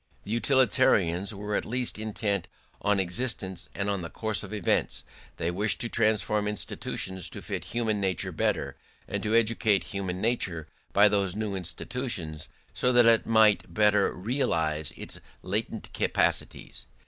The utilitarians were at least intent on existence and on the course of events; they wished to transform institutions to fit human nature better, and to educate human nature by those new institutions so that it might better realise its latent capacities.